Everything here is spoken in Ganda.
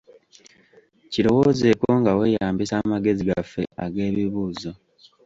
Kirowoozeeko nga weeyambisa amagezi gaffe ag'ebibuuzo.